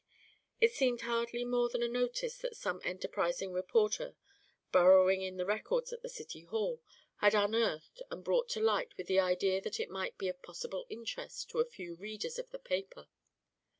It seemed hardly more than a notice that some enterprising reporter, burrowing in the records at the City Hall, had unearthed and brought to light with the idea that it might be of possible interest to a few readers of the paper.